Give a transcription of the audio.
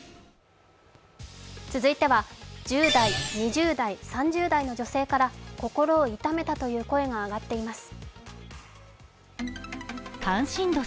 続いては１０代２０代、３０代の女性から心を痛めたという声が上がっています。